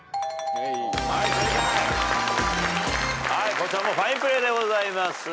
こちらもファインプレーでございます。